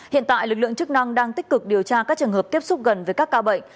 hiện tại lực lượng chức năng đang tích cực điều tra các trường hợp tiếp xúc gần với các ca bệnh